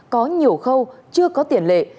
có nhiều khâu chưa có tiền lệ